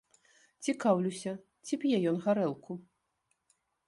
Цікаўлюся, ці п'е ён гарэлку.